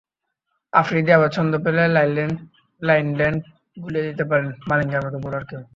আফ্রিদি আবার ছন্দ পেলে লাইন-লেংথ ভুলিয়ে দিতে পারেন মালিঙ্গার মতো বোলারকেও।